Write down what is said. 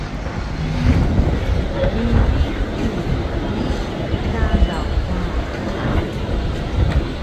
Ribix ku ni Tadaw wa!